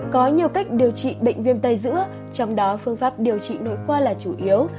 có nhiều cách điều trị bệnh viêm tay giữa trong đó phương pháp điều trị nội khoa là chủ yếu